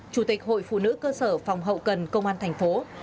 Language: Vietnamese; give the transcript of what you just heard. chủ tịch hội phụ nữ cơ sở phòng hậu cần công an thành phố